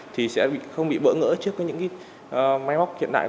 thì sẽ không bị bỡ ngỡ trước những máy móc hiện đại